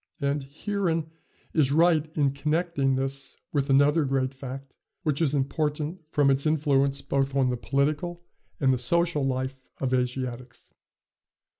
And Heeren is right in connecting this with another great fact, which is important from its influence both on the political and the social life of Asiatics.